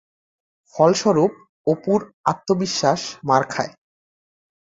ফলস্বরূপ অপুর আত্মবিশ্বাস মার খায়।